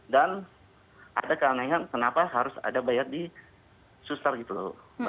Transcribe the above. dan ada keanggangan kenapa harus ada bayar di suter gitu